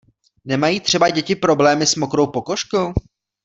Nemají třeba děti problémy s mokrou pokožkou?